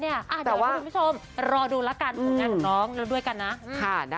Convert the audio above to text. เดี๋ยวรอดูแล้วกันผลงานของน้องด้วยกันนะ